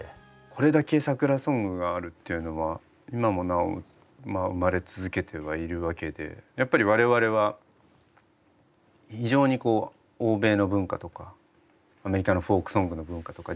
これだけ桜ソングがあるっていうのは今もなお生まれ続けてはいるわけでやっぱり我々は非常にこう欧米の文化とかアメリカのフォークソングの文化とか時代背景。